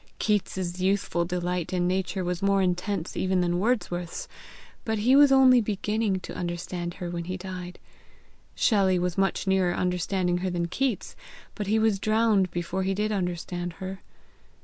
Keats's youthful delight in Nature was more intense even than Wordsworth's, but he was only beginning to understand her when he died. Shelley was much nearer understanding her than Keats, but he was drowned before he did understand her.